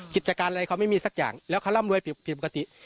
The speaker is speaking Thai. กิจการอะไรเขาไม่มีสักอย่างแล้วเขาร่ำรวยผิดปกติ